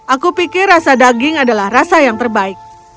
aku pikir rasa daging adalah rasa yang terbaik